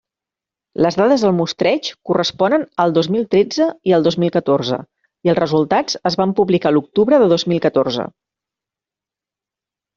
Les dades del mostreig corresponen al dos mil tretze i al dos mil catorze i els resultats es van publicar l'octubre del dos mil catorze.